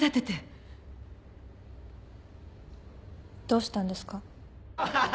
どうしたんですか？